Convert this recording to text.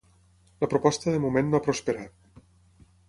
La proposta de moment no ha prosperat.